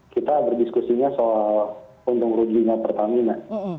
kita berdiskusinya soal untung ruginya pertamina